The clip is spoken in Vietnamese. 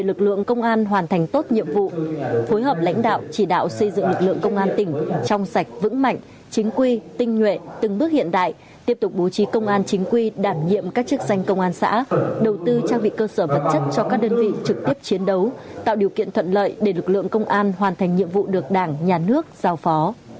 lực lượng công an hoàn thành tốt nhiệm vụ phối hợp lãnh đạo chỉ đạo xây dựng lực lượng công an tỉnh trong sạch vững mạnh chính quy tinh nhuệ từng bước hiện đại tiếp tục bố trí công an chính quy đảm nhiệm các chức danh công an xã đầu tư trang bị cơ sở vật chất cho các đơn vị trực tiếp chiến đấu tạo điều kiện thuận lợi để lực lượng công an hoàn thành nhiệm vụ được đảng nhà nước giao phó